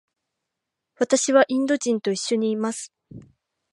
私はインド人と一緒にいます。